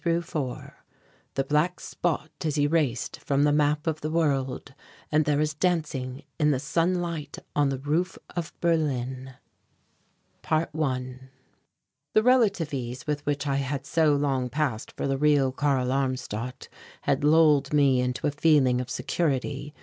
CHAPTER XIV THE BLACK SPOT IS ERASED FROM THE MAP OF THE WORLD AND THERE IS DANCING IN THE SUNLIGHT ON THE ROOF OF BERLIN ~1~ The relative ease with which I had so long passed for the real Karl Armstadt had lulled me into a feeling of security.